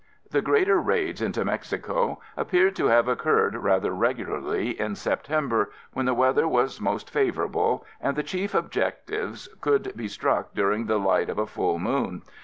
The greater raids into Mexico appear to have occurred rather regularly in September when the weather was most favorable, and the chief objectives could be struck during the light of a full moon.